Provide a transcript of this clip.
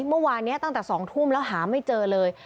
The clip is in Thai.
เมื่อวานนี้ตั้งแต่๒ทุ่มแล้วหาไม่เจอเลย